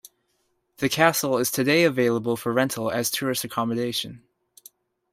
The castle is today available for rental as tourist accommodation.